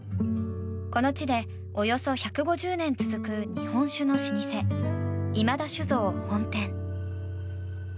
この地でおよそ１５０年続く日本酒の老舗今田酒造本店。